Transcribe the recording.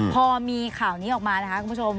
พอมีข่าวนี้ออกมานะคะคุณผู้ชม